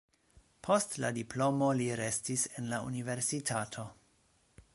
Post la diplomo li restis en la universitato.